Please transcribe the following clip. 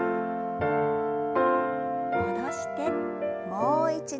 戻してもう一度。